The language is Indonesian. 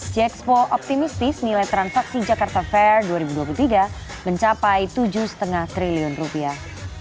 j expo optimistis nilai transaksi jakarta fair dua ribu dua puluh tiga mencapai tujuh lima triliun rupiah